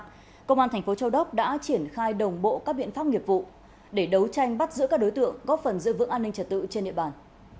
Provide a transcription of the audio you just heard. tại cơ quan công an tp châu đốc đã triển khai đồng bộ các biện pháp nghiệp vụ để đấu tranh bắt giữ các đối tượng góp phần giữ vững an ninh trật tự trên địa bàn